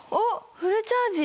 フルチャージだ！